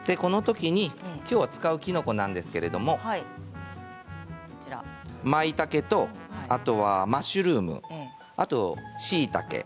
きょう使う、きのこなんですがまいたけとマッシュルームそれと、しいたけ。